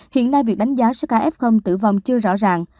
hiện nay việc đánh giá sức khỏe f tử vong chưa rõ ràng